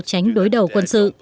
tránh đối đầu quân sự